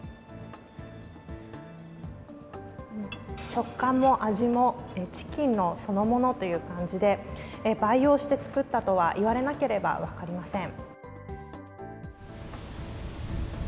食感も味もチキンのそのものという感じで、培養して作ったとは、言われなければ分かりません。